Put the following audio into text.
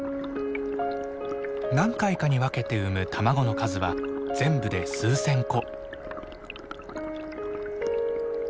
何回かに分けて産む卵の数は全部で数千個。